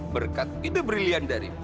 berkat hidup brilian dari